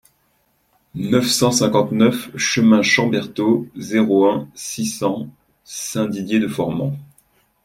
neuf cent cinquante-neuf chemin Chamberthaud, zéro un, six cents, Saint-Didier-de-Formans